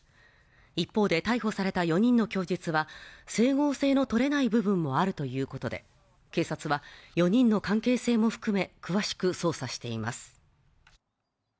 一方で逮捕された４人の供述は整合性のとれない部分もあるということで警察は４人の関係性も含め、詳しく捜査しています。